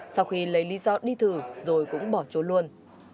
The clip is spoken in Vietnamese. sau khi lấy lý do đi thử rồi cũng bỏ trốn luôn